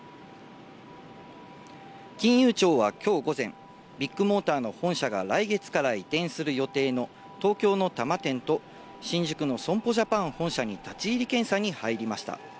金融庁はきょう午前、ビッグモーターの本社が来月から移転する予定の東京の多摩店と新宿の損保ジャパン本社に立ち入り検査に入りました。